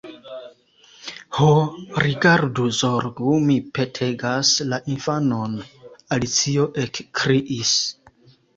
"Ho, rigardu, zorgu,—mi petegas—la infanon!" Alicio ekkriis.